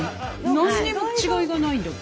何にも違いがないんだよ。